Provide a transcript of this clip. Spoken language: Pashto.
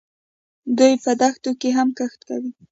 دوی په دښتو کې هم کښت کوي.